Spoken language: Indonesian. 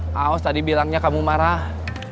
kaos tadi bilangnya kamu marah